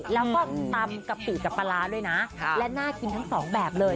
ตำกะปิดกับปลาร้าด้วยนะค่ะและน่ากินทั้งสองแบบเลย